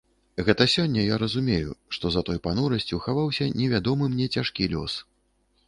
Гэта сёння я разумею, што за той панурасцю хаваўся невядомы мне цяжкі лёс.